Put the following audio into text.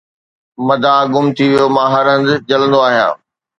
مدعا گم ٿي ويو 'مان هر هنڌ جلندو آهيان